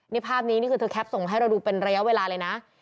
นี่ภาพนี้นี่คือเธอแป๊ปส่งมาให้เราดูเป็นระยะเวลาเลยนะ